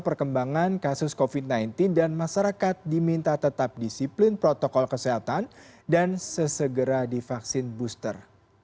perkembangan kasus covid sembilan belas dan masyarakat diminta tetap disiplin protokol kesehatan dan sesegera divaksin booster